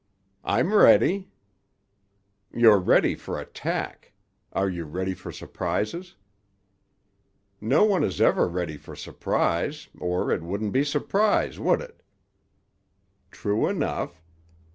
"I'm ready." "You're ready for attack. Are you ready for surprises?" "No one is ever ready for surprise, or it wouldn't be surprise, would it?" "True enough.